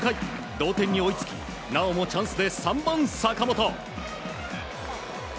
同点に追いつきなおもチャンスで３番、坂本。